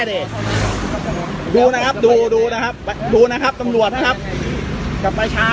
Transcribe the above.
ดูนะครับดูดูนะครับดูนะครับตำรวจนะครับกลับมาช้า